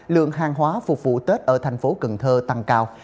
lượng hàng hóa phục vụ tết ở thành phố cần thơ tăng cao